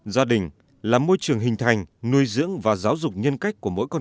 gia đình là môi trường hình thành nuôi dưỡng và giáo dục